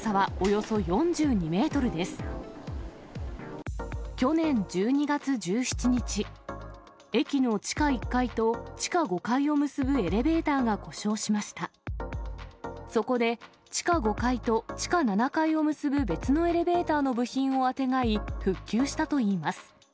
そこで地下５階と地下７階を結ぶ別のエレベーターの部品をあてがい、復旧したといいます。